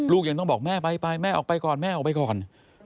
ลูกยังต้องบอกแม่ไปแม่ออกไปก่อน